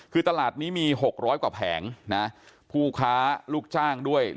คือตลาดนี้มี๖๐๐กว่าแผงนะผู้ค้าลูกจ้างด้วย